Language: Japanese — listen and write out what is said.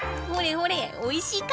ほれおいしいか！